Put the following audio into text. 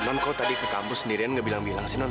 non kok tadi ke kampus sendirian gak bilang bilang sih non